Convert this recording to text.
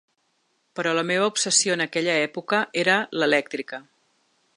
Però la meva obsessió en aquella època era l’elèctrica.